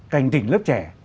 cảnh tỉnh lớp trẻ